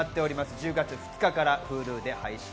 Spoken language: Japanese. １０月２日からＨｕｌｕで配信。